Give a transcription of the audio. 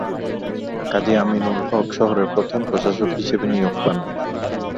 কাজী আমিনুল হক শহরের প্রথম প্রশাসক হিসেবে নিয়োগ পান।